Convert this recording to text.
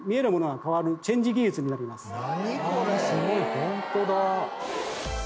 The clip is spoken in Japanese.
ホントだ。